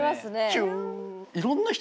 「キュン」。